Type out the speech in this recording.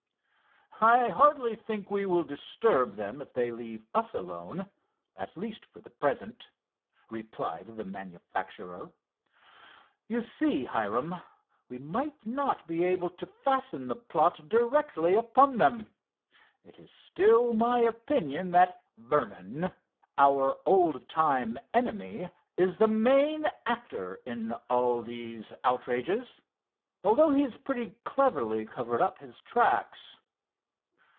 "I hardly think we will disturb them if they leave us alone—at least for the present," replied the manufacturer. "You see, Hiram, we might not be able to fasten the plot directly upon them. It is still my opinion that Vernon, our old time enemy, is the main actor in all these outrages, although he has pretty cleverly covered up his tracks."